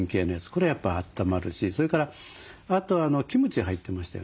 これはやっぱあったまるしそれからあとキムチ入ってましたよね。